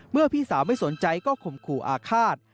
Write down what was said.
พี่สาวไม่สนใจก็ข่มขู่อาฆาต